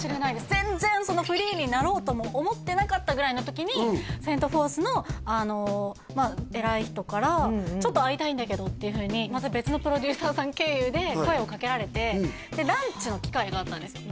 全然フリーになろうとも思ってなかったぐらいの時にセント・フォースの偉い人からっていうふうにまた別のプロデューサーさん経由で声をかけられてランチの機会があったんですよ